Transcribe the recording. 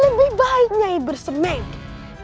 lebih baik nyai bersemedi